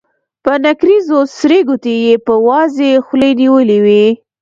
په نکريزو سرې ګوتې يې په وازې خولې نيولې وې.